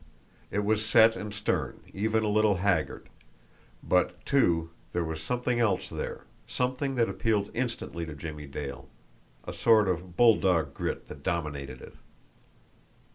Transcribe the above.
It was set and stern, even a little haggard; but, too, there was something else there, something that appealed instantly to Jimmie Dale a sort of bulldog grit that dominated it.